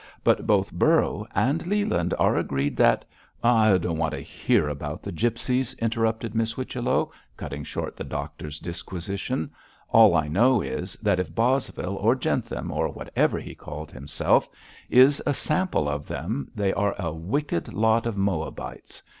But both Borrow and Leland are agreed that ' 'I don't want to hear about the gipsies,' interrupted Miss Whichello, cutting short the doctor's disquisition; 'all I know is, that if Bosvile or Jentham, or whatever he called himself, is a sample of them, they are a wicked lot of Moabites.